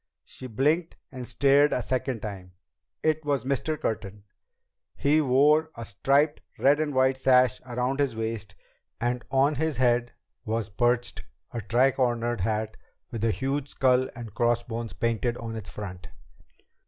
She blinked and stared a second time. It was Mr. Curtin! He wore a striped red and white sash around his waist, and on his head was perched a tricornered hat with a huge skull and crossbones painted on its front.